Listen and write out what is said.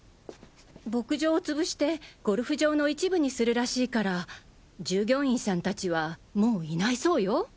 牧場を潰してゴルフ場の一部にするらしいから従業員さん達はもういないそうよ。